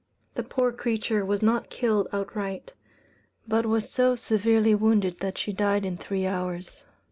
The poor creature was not killed outright; but was so severely wounded that she died in three hours.